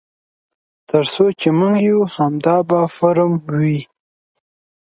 تر څو چې موږ یو همدا به فورم وي.